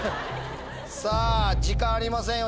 さぁ時間ありませんよ